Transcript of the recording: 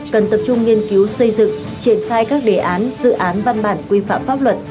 cần tập trung nghiên cứu xây dựng triển khai các đề án dự án văn bản quy phạm pháp luật